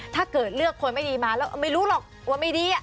ถ้าเกิดเลือกคนไม่ดีมาแล้วไม่รู้หรอกว่าไม่ดี